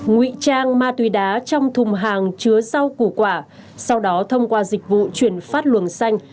ngụy trang ma túy đá trong thùng hàng chứa rau củ quả sau đó thông qua dịch vụ chuyển phát luồng xanh